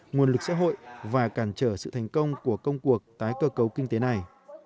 nguồn lực xã hội và cản trở sự thành công của công cuộc tái cơ cấu kinh tế này